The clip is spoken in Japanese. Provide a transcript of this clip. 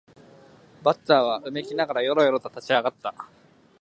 バッターはうめきながらよろよろと立ち上がった